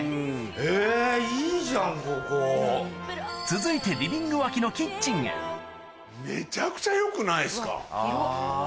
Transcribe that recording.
続いてリビング脇のめちゃくちゃよくないですか。